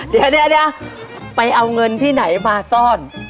เดี๋ยวไปเอาเงินที่ไหนมาซ่อน